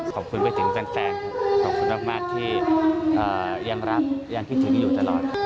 ขอบคุณไปถึงแฟนขอบคุณมากที่ยังรักยังคิดถึงอยู่ตลอด